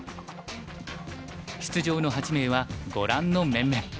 出場の８名はご覧の面々。